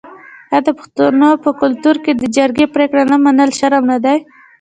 آیا د پښتنو په کلتور کې د جرګې پریکړه نه منل شرم نه دی؟